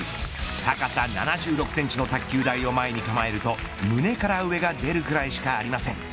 高さ７６センチの卓球台を前に構えると胸から上が出るくらいしかありません。